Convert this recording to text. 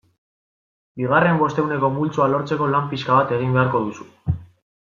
Bigarren bostehuneko multzoa lortzeko lan pixka bat egin beharko duzu.